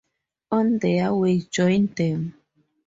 On their way, joined them.